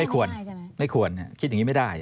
ไม่ควรไม่ควรคิดอย่างนี้ไม่ได้